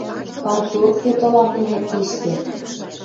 Парторг вет ылам мӹньӹ тиштӹ